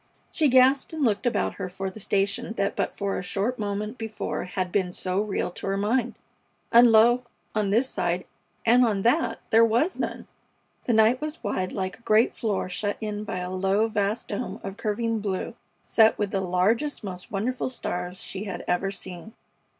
She gasped and looked about her for the station that but a short moment before had been so real to her mind; and, lo! on this side and on that there was none! The night was wide like a great floor shut in by a low, vast dome of curving blue set with the largest, most wonderful stars she had ever seen.